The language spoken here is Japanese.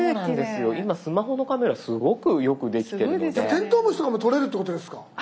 テントウムシとかも撮れるってことですか？